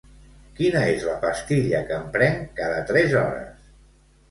Quina és la pastilla que em prenc cada tres hores?